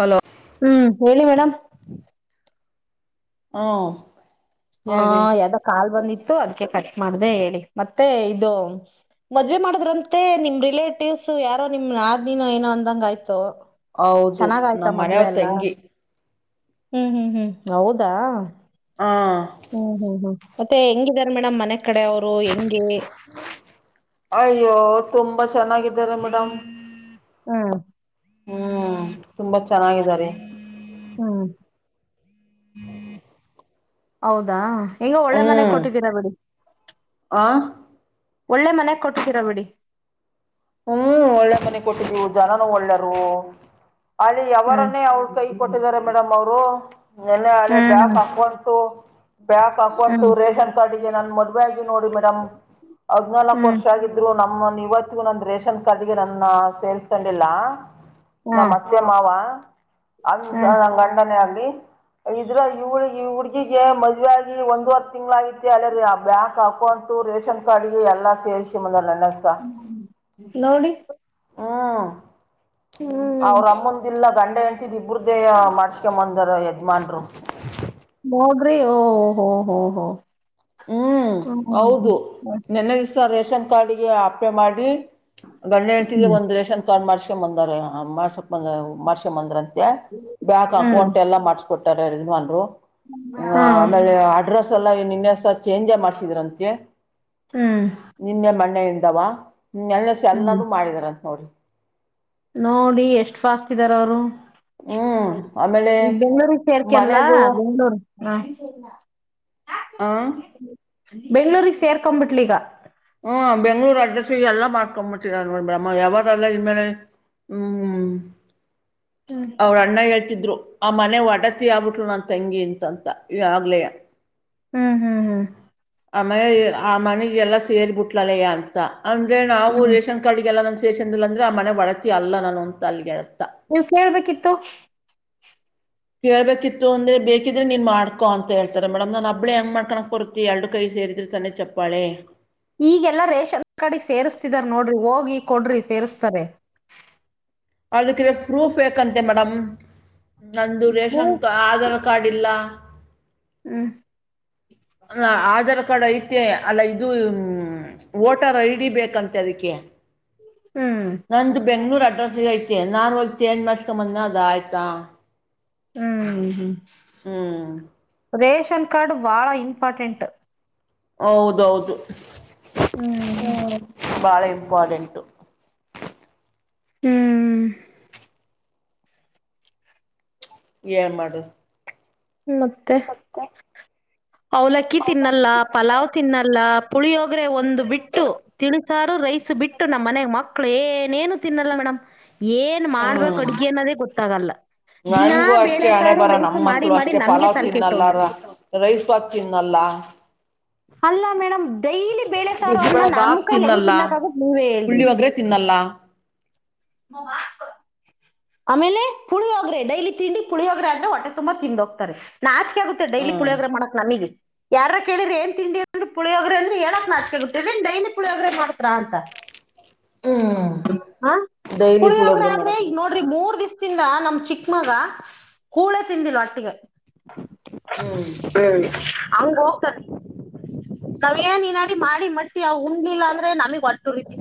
Hello ಹ್ಮ್ ಹೇಳಿ madam. ಹೂ. ಹೂ ಯಾವದೋ ಕಾಲ್ ಬಂದಿತ್ತು ಅದಕ್ಕೆ ಕಟ್ ಮಾಡದೆ ಹೇಳಿ ಮತ್ತೆ ಇದು. ಮದ್ವೆ ಮಾಡುದ್ರಂತೆ ನಿಮ್ ರಿಲೇಟಿವ್ಸ್ ಯಾರೋ ನಿಮ್ ನಾದಿನಿನೋ ಏನೋ ಅಂದಂಗ ಆಯ್ತು. ಹೌದು ಚೆನ್ನಾಗ ಆಯ್ತಾ ನಮ್ಮ ಮದ್ವೆ ಮನೆಯವ್ರ ಎಲ್ಲಾ ತಂಗಿ ಹ್ಮ್ ಹ್ಮ್ ಹ್ಮ್ ಹೌದಾ. ಹಾ ಹ್ಮ್ ಹ್ಮ್ ಹ್ಮ್ ಮತ್ತೆ ಹೆಂಗಿದರೆ ಮೇಡಮ್ ಮನೆ ಕಡೆ ಅವ್ರು ಹೆಂಗೆ. ಅಯ್ಯೋ ತುಂಬಾ ಚೆನ್ನಾಗಿದ್ದಾರೆ ಮೇಡಮ್. ಹೂ. ಹ್ಮ್ ತುಂಬಾ ಚೆನ್ನಾಗಿದ್ದಾರೆ. ಹ್ಮ [unintelligible] ಹೌದಾ ಹೇಗೋ ಒಳ್ಳೆ ಮನೆಗ್ ಹ್ಮ್ ಕೊಟ್ಟಿದ್ದೀರಾ ಬಿಡಿ. ಆ ಒಳ್ಳೆ ಮನೆಗ್ ಕೋಟಿದೀರಾ ಬಿಡಿ. ಹ್ಮ್ ಒಳ್ಳೆ ಮನೆ ಕೊಟ್ಟಿದ್ವು ಜನನುೂ ಒಳ್ಳೆರು. ಅಲ್ಲಿ ಹ್ಮ್ ಯವರನೆ ಅವ್ಳ ಕೈಗ ಕೊಟ್ಟಿದ್ದಾರೆ ಮೇಡಮ್ ಅವರು. ನೆನ್ನ ಹಳೆ ಬ್ಯಾಕ್ ಹ್ಮ್ ಅಕೌಂಟ್ಸು ಬ್ಯಾಕ್ ಹ್ಮ್ ಅಕೌಂಟು ಹ್ಮ್ ರೇಷನ್ ನನ್ನ ಪಾಡಿಗ ನನ್ನ ಮದುವೆ ಆಗಿನ ನೋಡಿ ಮೇಡಮ್ ಹದ್ನಾಲ್ಕು ಹ್ಮ್ ವರ್ಷ ಆಗಿದ್ರು ನಮ್ಮ ಇವತ್ತಗೂ ನಂದು. ರೇಷನ್ ಕಾರ್ಡ್ಗೆ ನನ್ನ ಸೇರಿಸಿಕೊಂಡಿಲ್ಲ ಹಾ ನಮ್ಮ ಅತ್ತೆ ಮಾವ. ಅಂತ ಹಾ ನನ್ನ ಗಂಡನೇ ಆಗ್ಲಿ. ಇದ್ರ ಇವಳು ಇ ಹುಡ್ಗಿಗೆ ಮದುವೆ ಆಗಿ ಒಂದವರೆ ತಿಂಗ್ಗಳ ಆಗಿತ್ ಅಲ್ಲ ರೀ ಆ ಬ್ಯಾಂಕ್ ಅಕೌಂಟ್. ರೇಷನ್ ಕಾರ್ಡಗೆ ಎಲ್ಲ ಸೇರಿಸಿ ನನ್ನ ಹೆಸರ ನೋಡಿ. ಹ್ಮ ಹ್ಮ್ ಅವ್ರ ಅಮ್ಮಂದ ಇಲ್ಲಾ ಗಂಡ ಹೆಂಡ್ತಿದು ಇಬ್ರ್ದೇ ಮಾಡ್ಸ್ಕೊಂಡಂಬಂದಾರ ಯಜಮಾನ್ರು. ನೋಡ್ರಿ ಓಹಹೋಹೋಹೋ ಹ್ಮ್ ಹೌದು ನೆನ್ನ ಸ ರೇಷನ್ ಕಾರ್ಡಗೆ ಆಪ್ಲೆ ಮಾಡಿ ಗಂಡ ಹೆಂಡ್ತಿ ಹ್ಮ್ ಒಂದು ರೇಷನ್. ಕಾರ್ಡ್ ಮಾಡಸ್ಕೊಂಡ ಬಂದರ ಮಾಡಸಕೊಂಡ ಬಂದ್ರ ಅಂತೆ ಬ್ಯಾಂಕ್ ಹ್ಮ್ ಅಕೌಂಟ್ ಎಲ್ಲ ಮಾಡ್ಸಕೊಟ್ಟ. ರೆ ಯಜಮಾನರು ಹ್ಮ್ ಆಮೇಲೆ ಅಡ್ರೆಸ್. ಎಲ್ಲಾ ನಿನ್ನ ಹೆಸರಲೀ ಚೇಂಜ ಮಾಡ್ಸಿದ್ರಂತೆ. ಹ್ಮ್ ನಿನ್ನೆ ಮಣೆಯಿಂದವಾ ಹ್ಮ ಎಲ್ಲ ಹ್ಮ್ ಎಲ್ಲಾರೂ ಮಾಡಿದಾರಂತ ನೋಡ. ನೋಡಿ ಎಷ್ಟು ಫಾಸ್ಟ್ ಇದ್ದಾರ ಅವರು. ಹ್ಮ್ ಆಮೇಲೆ ಈ ಬೆಂಗಳೂರುಗ ಸೆರತೆರಲಾ ಮನೆದು ಬೆಂಗ್ಳೂರು. ಹಾ ಆ ಬೆಂಗ್ಳೂಗ್ ಸೇರಿಕೊಂಡ ಬಿಟ್ಲು ಈಗ. ಹ್ಮ್ ಬೆಂಗ್ಳೂರು ಅಡ್ಡ್ರೆಸಿಗ್ ಎಲ್ಲ ಮಾಡ್ಕೊಂಡ್ಬಿಟ್ಟೀರ ನೋಡ್ಬಿಡಮ್ಮ ಯಾವಾಗಲ್ಲ [unintelligible] ಹ್ಮ್ ಅವ್ರ ಅಣ್ಣ ಹೇಳ್ತಿದ್ರು ಆ ಮನೆ ಒಡತಿ ಆಗ್ಬಿಟ್ಲು ನನ್ ತಂಗಿ ಅಂತಂತ ಈ ಯಾವಾಗಲೆಯ. ಹ್ಮ್ ಹ್ಮ್ ಹ್ಮ್ ಆ ಮನೇಲಿ ಆ ಮನೆ ಎಲ್ಲ ಸೇರಿ ಬಿಟ್ಲಲ್ಲಯ ಅಂತ ಅಂದ್ರೆ ನಾವು ಹ್ಮ್ ರೇಷನ್. ಕಡೆಗೆಲ್ಲ ನನ್ ಸೇಷನ್ ಅಂದ್ರೆ ಆ ಮನೆ ಒಡತಿ ಅಲ್ಲ ನಾನು ಅಂತ ಅಲ್ಲಿಗೆರ್ತಾ. ನೀವು ಕೇಳ್ಬೇಕಿತ್ತು. ಕೇಳ್ಬೇಕಿತ್ತು ಅಂದ್ರೆ ಬೇಕಿದ್ರೆ ನೀನ್ ಮಾಡ್ಕೊ ಅಂತೇಳ್ತಾರೆ ಮೇಡಮ್ ನಾ ಒಬ್ಬಳೇ ಹೆಂಗ್ ಮಾಡ್ಕೊಳಕ್ ಬರುತ್ತೆ. ಎರಡು ಕೈ ಸೇರಿದ್ರೆ ತಾನೇ ಚಪ್ಪಾಳೆ. ಈಗೆಲ್ಲಾ ರೇಷನ್ ಕಡೆ ಸೇರ್ಸ್ತಿದಾರ ನೋಡ್ರಿ ಹೋಗಿ ಕೊಡ್ರಿ ಸೇರ್ಸ್ತಾರೆ. ಅದಕ್ಕೆಲ ಪ್ರೂಫ್ ಬೇಕಂತೆ ಮೇಡಮ್ ನಂದು ರೇಷನ್ ಹ್ಮ್ ತ್ ಆಧಾರ್ ಕಾರ್ಡ್ ಇಲ್ಲ. ಹ್ಮ್ ಆಧಾರ್ ಕಾರ್ಡ್ ಐತೆ ಅಲ್ಲ ಇದು ಮ್ ವೋಟರ್ ಐ ಡಿ ಬೇಕಂತೆ ಅದಿಕ್ಕೆ ಹ್ಮ್ ನಂದು ಬೆಂಗ್ಳೂರು ಅಡ್ರೆಸ್ಗೈತೆ ನಾನು ಹೋಗ್ ಚೇಂಜ್ ಮಾಡ್ಸ್ಕ್ಯಂಡ್ ಬಂದ್ನ್ಯ ಅದಾಯ್ತ. ಊ ಹ್ಮ್ ಹ್ಮ್ ರೇಷನ್ ಕಾರ್ಡ್ ಬಾಳ ಇಂಪಾರ್ಟೆಂಟ್. ಹೌದೌದು ಹ್ಮ್ ಹ್ಮ ಬಾಳ ಇಂಪಾರ್ಟೆಂಟು. ಹ್ಮ್ ಏನ್ ಮಾಡು ಮತ್ತೆ ಅವಲಕ್ಕಿ ತಿನ್ನಲ್ಲ ಪಲಾವ್ ತಿನ್ನಲ್ಲ ಪುಳಿಯೋಗ್ರೆ ಒಂದು ಬಿಟ್ಟು ತಿಳಿಸಾರು ರೈಸ್ ಬಿಟ್ಟು ನಮ್ಮ ಮನೆಗ್ ಮಕ್ಕಳು ಏನೇನು ತಿನ್ನಲ್ಲ ಮೇಡಮ್ ಏನ್ ಹ್ಞೂ ಮಾಡ್ಬೇಕ್ ಅಡಿಗೆ ಅನ್ನೋದೆ ಗೊತ್ತಾಗಲ್ಲ ದಿನ ನನ್ಗೂ ಅಷ್ಟೇ ಬೇಳೆ ಹಣೆ ಸಾರು ಬರ ರೈಸ್ ನಮ್ಮ ಮಾಡ್ ಡಿ ಮಕ್ಳು ಮಾಡಿ ಅಷ್ಟೇ ನಮ್ಗೆ ಪಲಾವ್ ತಲ್ಕೆಟ್ ತಿನ್ನಲ್ಲ ಹೋಗಿತೆ. ರೈಸ್ ಬಾತ್ ತಿನ್ನಲ್ಲ. ಅಲ್ಲ ಮೇಡಮ್ ಡೈಲಿ ಬೆಳೇ ಸಾರು ಅನ್ನ ಬಿಸಿಬೇಳೆ ನಮ್ ಬಾತ್ ಕೈಲಿ ಹೆಂಗ್ ತಿನ್ನಲ್ಲ ತಿನ್ನಕ್ಕಾಗತ್ತ್ ನೀವೇ ಹೇಳ್ರಿ. ಪುಳಿಯೋಗರೆ ತಿನ್ನಲ್ಲ ಮೋ ಮ ಆಮೇಲೆ ಪುಳಿಯೋಗ್ರೆ ಡೈಲಿ ತಿಂಡಿ ಪುಳಿಯೋಗ್ರೆ ಆದ್ರೆ ಹೊಟ್ಟೆ ತುಂಬಾ ತಿಂದ್ ಹೋಗ್ತಾರೆ ನಾಚ್ಕೆ ಆಗುತ್ ತೆ ಡೈಲಿ ಹ್ಮ್ ಪುಳ್ಯೋಗ್ರೇ ಮಾಡಕ್ ನಮಿಗೆ ಯಾರ ಕೇಳ್ರೆ ಏನ್ ತಿಂಡಿ ಅಂದ್ರ ಪಳಿಯೋಗ್ರೆ ಅಂದ್ರೆ ಹೇಳಕ್ ನಾಚಕೆ ಆಗುತ್ತ ಇದೇನ್ ಡೈಲಿ ಪುಳಿಯೋಗ್ರೇ ಮಾಡ್ತ್ರಾ ಅಂತ. ಹ್ಮ್ ಹ ಡೈಲಿ ಪಳಿಯೋಗ್ರೆ ಪುಳಿಯೋಗರೆ ಆದ್ರೆ ಮಾಡಕ್ ಈಗ್ ನೋ ರಿ ಮೂರ್ ದಿವ್ಸದಿಂದ ನಮ್ ಚಿಕ್ಕ ಮಗ ಕೂಳೆ ತಿಂದಿಲ್ ಒಟ್ಟಿಗೆ. ಹ್ಮ್ ಹ್ಮ್ ಹಂಗ ಹೋಗ್ತ ಕವ್ಯ ನೀನ್ ಅಡಿ ಮಾಡಿ ಮಟ್ಟಿ ಅವ್ ಉಣ್ಲಿಲ್ಲ ಅಂದ್ರೆ ನಮಗ್ ಹೊಟ್ಟುರಿತಿ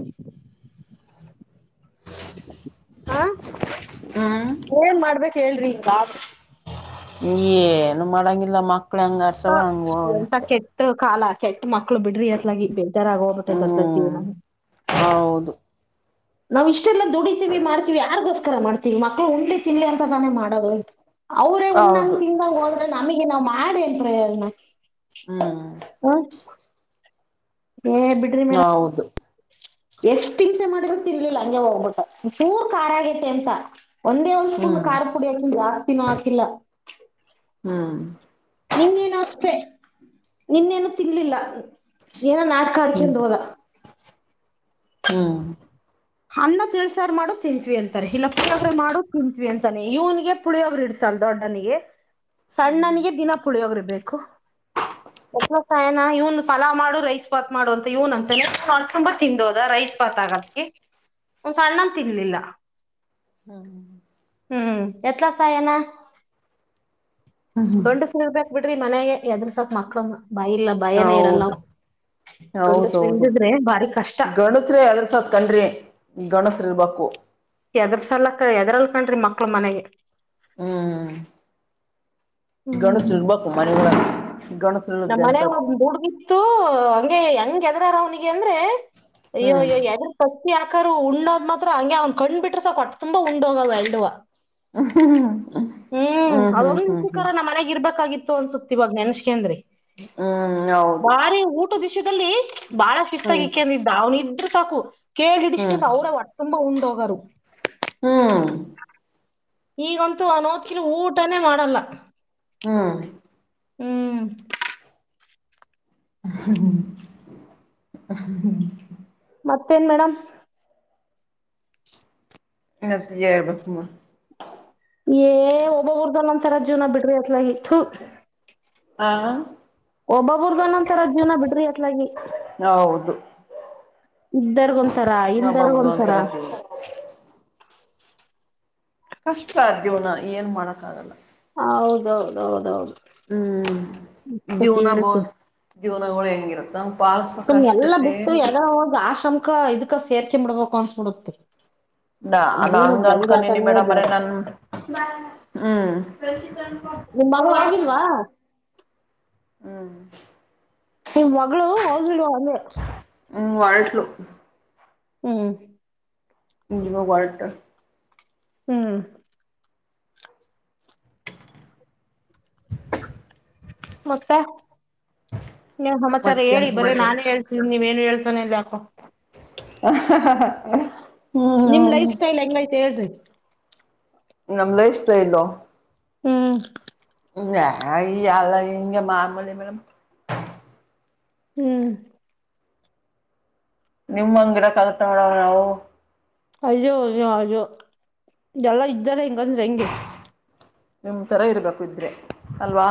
ಹಾ ಹ್ಮ್ ಏನ್ ಮಾಡ್ಬೇಕ್ ಹೇಳ್ರಿ ಹಿಂಗಾದ್ರೆ. ಏನು ಮಾಡಂಗಿಲ್ಲ ಮಕ್ಳು ಹೆಂಗ್ ಆಡ್ತವ ಹಂಗ್ ಎಂತ ಹೋಗದಷ್ಟೇ. ಕೆಟ್ಟ ಕಾಲ ಕೆಟ್ಟ ಮಕ್ಳು ಬಿಡ್ರಿ ಅತ್ಲಾಗಿ [unintelligible] ಆಗ್ ಹೋಗ್ಬಿಟ್ಟೈತ್ ಅತ್ಲಗ್ ಹ್ಮ್ ಜೀವನ. ಹೌದು ನಾವು ಇಷ್ಟೆಲ್ಲ ದುಡಿತೀವಿ ಮಾಡ್ತೀವಿ ಯಾರ್ಗೋಸ್ರ ಮಾಡ್ತಿವಿ ಮಕ್ಳು ಉಣ್ಲಿ ತಿನ್ಲಿ ಅಂತ ತಾನೇ ಮಾಡದು. ಅವ್ರೆ ಹೌದು ನ್ನ ಹೋದ್ರೆ ನಮಿಗೆ ನಾವ್ ಮಾಡೇನ್ ಪ್ರಯೋಜನ. ಹ್ಮ್ ಆ ಏಯ್ ಬಿಡ್ರ್ ಹೌದು ಎಷ್ಟ್ ಹಿಂಸೆ ಮಾಡಿದ್ರು ತಿನ್ಲಿಲ್ಲ ಹಂಗೆ ಹೋಗ್ಬಿಟ್ಟ ಚೂರ್ ಖಾರ ಆಗೈತೆ ಅಂತ. ಒಂದೇ ಒಂದ್ ಸ್ಪೂನ್ ಹ್ಮ್ ಖಾರ ಪುಡಿ ಅಕೀನ್ ಜಾಸ್ತಿನೂ ಹಾಕಿಲ್ಲ. ಹ್ಮ್ ನಿನ್ನೇನು ಅಷ್ಟೆ ನಿನ್ನೇನು ತಿನ್ಲಿಲ್ಲ ಏನೋ ನಾಟ್ಕ ಆಡ್ಕೊಂಡ್ ಹೋದ. ಹ್ಮ ಅನ್ನ ತಿಳ್ಸಾರ್ ಮಾಡು ತಿಂತತ್ವಿ ಅಂತರೆ ಇಲ್ಲ ಪುಳಿಯೋಗರೆ ಮಾಡು ತಿಂತ್ವಿ ಅಂತ ಇವನಿಗೆ ಪುಳಿಯೋಗ್ರ ಇಡ್ಸಲ್ ದೊಡ್ಡನಿಗೆ ಸಣ್ಣನಿಗೆ ದಿನ ಪುಳಿಯೋಗ್ರಿ ಬೇಕು [unintelligible] ಎಸಾಯನ ಇವನ್ ಪಲಾವ ಮಾಡು ರೈಸ್ ಭಾತ್ ಮಾಡು ಅಂತ ಇವನ್ ಅಂತ ತುಂಬಾ ತಿನ್ದೋದ ರೈಸ್ ಪತಾಗಕ್ಕೆ ಅವನೂ ಸಣ್ಣವನು ತಿಂಲಿಲ್ಲ ಹ್ಮ ಹ್ಮ್ ಹ್ಮ್ [unintelligible] ಇರ್ಬೇಕಕ್ ಬಿಡ್ರಿ ಮನೆಗೆ ಎದ್ರ ಸಕ್ತ್ ಮಕ್ಳಂದ ಬೈ ಇಲ್ಲ ಭಯನೇ ಇರಲ್ಲ ಹೌದು ಗಂಡಸರು ಇಲ್ಲದಿದ್ರೆ ಬಾರಿ ಕಷ್ಟ ಅ [unintelligible] [unintelligible] ಗಂಡಸರು ಇರ್ಬೇಕು ಎದ್ರ ಸಕ್ಕ ಎದ್ರಲ್ ಕಣ್ರಿ ಮಕ್ಳ ಮನೆಗೆ ಹ್ಮ್ ಗಂಡಸರು ಹ್ಮ್ ಇರ್ಬೇಕು ಮನೆಗಳಲ್ಲಿ ಗಂಡಸರು ನಮ್ಮ್ ಮನೆ ಒ ಹುಡ್ಗಿತ್ತು ಹಂಗೆ ಹೆಂಗ ಎದ್ರಾರ ಅವನಿಗೆ ಅಂದ್ರೆ ಹ್ಮ್ ಅಯ್ಯೋಯ್ಯೋ ಯಾರು ಪಚ್ಚಿಕರು ಉಣ್ಣದ್ ಮಾತ್ರ ಹಂಗೆ ಅವ್ನ್ ಕಂಡ್ ಬಿಟ್ರ ಸಾಕಟ್ಟ ತುಂಬಾ ಉಂಡೋಗ್ ಎಲ್ಡವ ಹ್ಮ್ ಹ್ಮ್ ಹ್ಮ್ ಅದೊಂದ್ ಹ್ಮ್ ಹ್ಮ್ ಹ್ಮ್ ನಿಚಿಕರ ನಮ್ಮ ಮನೆಗೆ ಇರ್ಬೇಕಾಗಿತ್ತು ಅನ್ಸುತ್ತೆ ಇವಾಗ ನೆನಸುಕೊಂಡ್ರೆ ಹ್ಮ್ ಹೌದು ಬಾರಿ ಊಟದ ವಿಷಯದಲ್ಲಿ ಬಾಳ ಹ್ಮ್ ಶಿತ್ತಾಗಿಕ್ಕಂದಿದ್ದ ಅವ್ನಿದ್ರು ಸಾಕು ಕೇಳಿ ಹ್ಮ್ ಹಿಡಿಸಕಂತ ಅವ್ರೇ ಒಟ್ ತುಂಬಾ ಉಂಡೋಗರು ಹ್ಮ್ ಈಗಂತೂ ಅವ ನೋದ್ಕಿಲ ಊಟನೇ ಮಾಡಲ್ಲ ಹ್ಮ್ ಹ್ಮ್ ಹ ಹ್ಮ [unintelligible] ಮತ್ತೇನ್ ಮೇಡಮ್ ಹೇಳಬೇಕಮ್ಮ ಏ ಒಬ್ಬೊಬ್ಬರದು ಒಂದೊಂದು ತರ ಜೀವನ ಬಿಡ್ರಿ ಅತ್ಲಾಗೆ ಹಾ ಒಬ್ಬೊಬರ್ದುು ಒಂದೊಂತರ ಜೀವನ ಬಿಡ್ರಿ ಅತ್ಲಾಗಿ ಹೌದು ಇದ್ದರ್ಗ ಒಂತರ ಇಲ್ಲ ದರ್ಗ ಒಬ್ಬೊಬ್ರದು ಒಂತರ ಜೀವನ ಕಷ್ಟ ಆದ ಜೀವನ ಏನ್ ಮಾಡಕ್ಕ ಆಗಲ್ಲ ಹ ಹೌದೌದ ಹೌದೌದು ಹ್ಮ್ ಜೀವನ ಬೋ ಹೇಳ್ತೀರ ಜೀವನಗಳು ಹೆಂಗಿರತ್ತಾ ಮ ಎಲ್ಲಾ ಬಿಟ್ಟು ಎಲ್ಲಾದ್ರೂ ಹೋಗಿ ಆಶ್ರಮಕ್ಕಾ ಇದಕ ಸೇರಕೋಬೇಕು ಅನ್ಸ್ಬಿಡತ್ರಿ ನ ಹಂಗ ಅನ್ಕೊಂಡನಿ ಬೇಡ ಮರ ನನ್ ಹ್ಮ್ ನಿಮ್ಮ್ ಮಗಳು ಹೋಗಿಲ್ವಾ ಹ್ಮ್ ನಿಮ್ ಮಗಳು ಹೋಗಿಲ್ವ ಅಂದೆ ಹ್ಮ್ ಹೊರಟಳು ಹ್ಮ್ ಇವಾಗ ಹೊರಟೋ ಹ್ಮ್ ಮತ್ತ ಇನೇನು ಸಮಾಚಾರ ಮತ್ತೇನ್ ಹೇಳಿ ಬರೆ ಸಮಾಚಾರ ನಾನೇ ಹೇಳ್ತೀದಿನಿ ನೀವೇನು ಹೇಳ್ತನೆ ಇಲ್ಲ ಯಾಕೋ ಹ ಹ ಹ [unintelligible] ನಿಮ್ ಲೈಫ್ ಸ್ಟೈಲ್ ಎಂಗ್ಯತೆ ಹೇಳ್ರಿ ನಮ್ ಲೈಫ್ ಸ್ಟೈಲ್ ಹ್ಮ್ ಹ ಈ ಅಲ್ಲ ಹಿಂಗೆ ಮಾಮೂಲಿ ಮಡ್ಮ ಮೇಲೆ ಹ್ಮ್ ನಿಮ್ಂಗಿರಕಾಗುತ ಮಡ್ಮ ನಾವು ಅಯ್ಯೋ ಅಯ್ಯೋ ಅಯ್ಯೋ ಎಲ್ಲ ಇದ್ದಾರೆ ಇಂಗಂದ್ರೆ ಹೆಂಗೆ ನಿಮ್ಮ ಥರ ಇರಬೇಕು ಇದ್ರೆ ಅಲ್ವಾ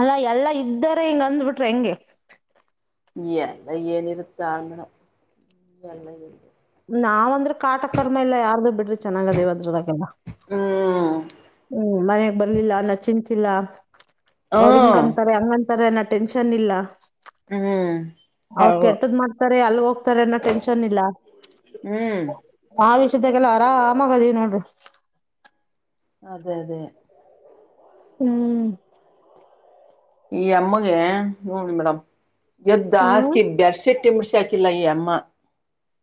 ಅಲ್ಲಾ ಎಲ್ಲಾ ಇದ್ದಾರೆ ಹಿಂಗ ಅಂದ್ ಬಿಟ್ರೆ ಹೆಂಗೆ ನೀ ಏಲ್ಲ ಏನಿರುತ್ತೆ [unintelligible] ಎಲ್ಲ ನಾವ್ ಅಂದ್ರೆ ಕಾಟ ಕರ್ಮ ಇಲ್ಲ ಯಾರ್ದು ಬಿಡ್ರಿ ಚೆನ್ನಾಗದ ಇವಾಗಿಂವರಿಗೇಲ ಹ್ಮ ಹ್ಮ್ ಮನೆಗ್ ಬರ್ಲಿಲ್ಲ ಅನ್ನ ಚಿಂತಿಲ್ಲ ಅವ್ರ ಹ್ಮ್ ಹಿಂಗಂತಾರೆ ಅಂಗ್ ಅಂತಾರೆ ಅಂತಾರೆ ಅನೋ ಟೆನ್ಷನ್ ಇಲ್ಲ ಹ್ಮ್ ಅವರು ಹೌದು ಕೆಟ್ಟದ್ ಮಾಡ್ತಾರೆ ಅಲ್ಲಿ ಹೋಗ್ತಾರೆ ಅನ್ನೋ ಟೆನ್ಷನ್ ಇಲ್ಲ ಹ್ಮ್ ಆ ವಿಷ್ದಾಗಲ್ಲ ಆರಾಮಾಗದಿವಿ ನೋಡ್ರಿ ಅದೇ ಅದೇ ಹ್ಮ್ ಈ ಅಮ್ಮಗೆ [unintelligible] ಮೇಡಮ್ ಎದ್ದ ಹ್ಮ್ ಹಸ್ಕಿ ಬೆಡ್ ಶೆಟ್ [unintelligible] ಮಡಸಾಕಿಲ್ಲ ಇ ಯ್ಯಮ್ಮ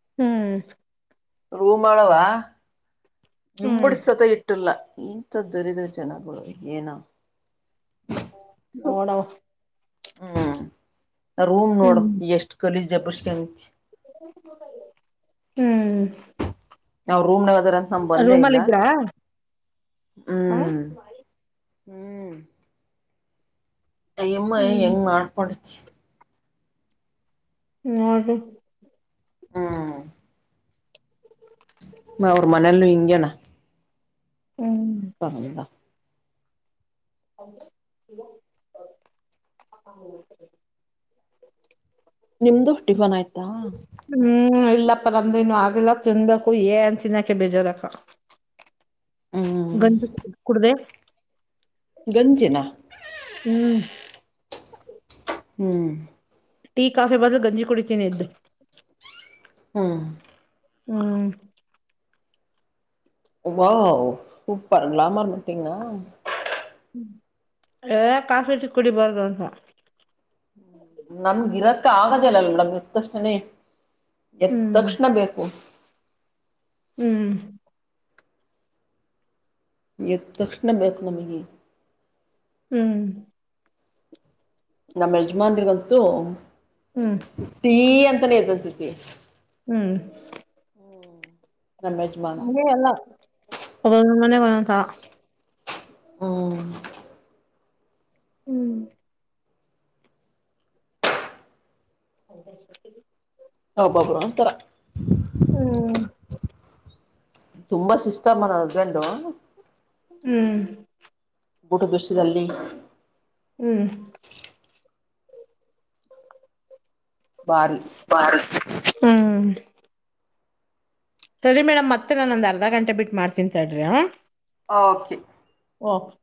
ಹ್ಮ್ ರೂ ಮಾಡವ ಹ್ಮ್ ಇಂಬುಡ್ ಸತ ಇಟ್ಟು ಇಟ್ಟಲ್ಲ ಇಂಥ ದರಿದ್ರ ಜನಗಳು ಏನ ಹು ನವ್ವ ಹ್ಮ್ ರೂಮ್ ನೋಡು ಹ್ಮ್ ಎಷ್ಟ್ ಕಲೀಜ್ ಎಬ್ರುಸ್ಕೊಂಡು [unintelligible] ಹ್ಮ್ ಅವ್ರು ರೂಮ್ನನಾಗ್ ಹದಾರಂತ ನಾನ್ ಬಂದೇ ಇಲ್ಲ ರೂಮಲ್ ಇದ್ರಾ ಹ ಹ್ಮ್ ಹ್ಮ್ ಅಯ್ಯಮ್ಮ ಹ್ಮ್ ಹೆಂಗ್ ಮಾಡ್ಕೊಂಡತಿ [unintelligible] ಹ್ಮ ಅವ್ರ ಮನೇಲು ಹಿಂಗೇನಾ ಹ್ಮ್ [unintelligible] ಹೌದು ಹ [unintelligible] ಹೌ [unintelligible] ನಿಮ್ದು ಟಿಫನ್ ಆಯ್ತಾ ಹ್ಮ್ ಇಲ್ಲಪ್ಪ ನಂದನು ಆಗಿಲ್ಲ ತಿನ್ಬೇಕು ಏನ್ ತಿನ್ನಾಕೆ ಬೇಜಾರಕ್ಕ ಹ್ಮ್ ಗಂಜಿ ಕುಡಿದೆ. ಗಂಜಿನ. ಹ್ಮ್ ಹ್ಮ್ ಟೀ ಕಾಫಿ ಬದಲು ಗಂಜಿ ಕುಡಿತೀನಿ ಎದ್ದು. ಹ್ಮ್ ಹ್ಮ ವಾವ್ ಸೂಪರ್ ಗ್ಲಾಮರ್ ಮಟೈನ್ ಆ ಹ್ಮ ಏ ಕಾಫಿ ಟಿ ಕುಡಿಬಾರದು ಅಂತ ನಮ್ಗ ಇರಕ್ಕ ಆಗದೇಯಿಲ್ಲ ಮೇಡಂ ಎದ್ದತಕ್ಷಣನೇ ಹ್ಮ್ ಎತ್ತತಕ್ಷಣ ಬೇಕು ಹ್ಮ್ ಎದ್ದ ತಕ್ಷಣ ಬೇಕು ನಮಗೆ ಹ್ಮ್ ನಮ್ಮ ಯಜಮಾನ್ರಿಗಂತು ಹ್ಮ್ ಟಿ ಅಂತಾನೆ ಎದ್ದೇಳ್ತಿರ್ತೀವಿ. ಹ್ಮ್ ನಮ್ಮ ಯಜ್ ಹಂಗೇನು ಇಲ್ಲ ಒಂದು ಒಂದು ಮನೆ ಒಂಒಂದುತರ ಹ್ಮ ಹ್ಮ್. [inaudible] ಒಬ್ಬ್ರು ಒಬ್ಬ್ರು ಒಂತರ. ಹ್ಮ.. ತುಂಬ ಸಿಸ್ಟಮ್ ನಮ್ಮ ಹಸ್ಬೆಂಡು ಹ್ಮ್.. ಊಟದ ವಿಷಯದಲ್ಲಿ. ಹ್ಮ್. ಬಾರಿ. ಬಾರೀ. ಸರಿ ಮೇಡಮ್ ಮತ್ತೆ ನಾನೊಂದು ಅರ್ಧ ಗಂಟೆ ಬಿಟ್ಟ ಮಾಡ್ತೀನಿ ತಾಡ್ರಿ. ಓಕೆ. ಓಕೆ